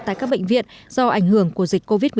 tại các bệnh viện do ảnh hưởng của dịch covid một mươi